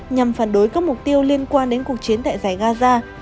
nhằm phản đối các mục tiêu liên quan đến cuộc chiến tại giải gaza